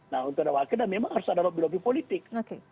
nah untuk ada wakil dan memang harus ada lobby lobby politik